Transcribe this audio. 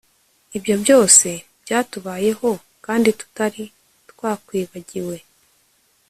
ibyo byose byatubayeho kandi tutari twakwibagiwe